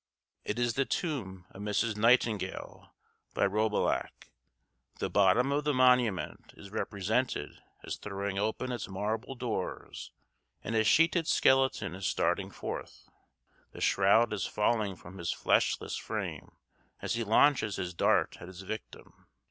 It is the tomb of Mrs. Nightingale, by Roubillac. The bottom of the monument is represented as throwing open its marble doors, and a sheeted skeleton is starting forth. The shroud is falling from his fleshless frame as he launches his dart at his victim.